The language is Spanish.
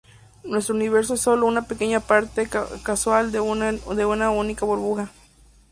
Nuestro universo es solo una pequeña parte causal de una única burbuja.